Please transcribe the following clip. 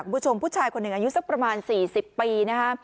บทชมผู้ชายคนอายุสักประมาณ๔๐ปี